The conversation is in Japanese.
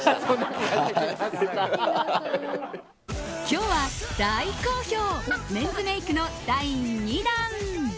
今日は大好評メンズメイクの第２弾。